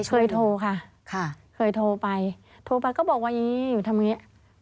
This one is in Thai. เคยโทรค่ะเคยโทรไปโทรไปก็บอกว่าอย่างนี้อยู่ทำอย่างนี้